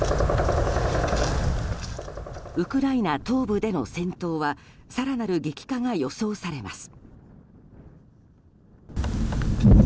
ウクライナ東部での戦闘は更なる激化が予想されます。